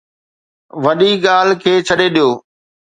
وڏي ڳالهه کي ڇڏي ڏيو.